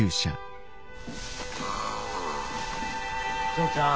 嬢ちゃん。